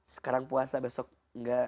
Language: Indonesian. sekarang puasa besok enggak